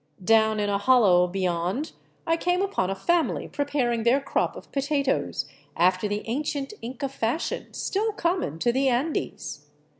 Down in a hollow beyond I came upon a family preparing their crop of potatoes after the ancient Inca fashion still common to the Andes.